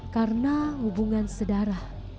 karena hubungan sedarah